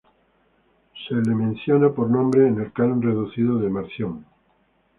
Se la menciona por nombre en el canon reducido de Marción.